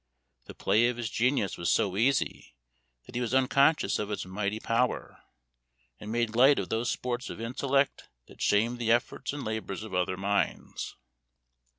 The play of his genius was so easy that he was unconscious of its mighty power, and made light of those sports of intellect that shamed the efforts and labors of other minds.